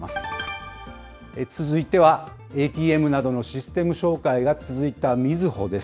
続いては、ＡＴＭなどのシステム障害が続いたみずほです。